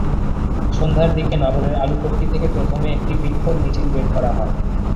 সন্ধ্যার দিকে নগরের আলুপট্টি থেকে প্রথমে একটি বিক্ষোভ মিছিল বের করা হয়।